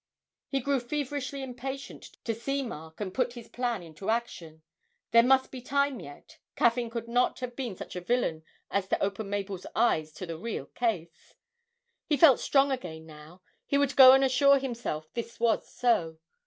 He grew feverishly impatient to see Mark and put his plan into action there must be time yet, Caffyn could not have been such a villain as to open Mabel's eyes to the real case! He felt strong again now; he would go and assure himself this was so.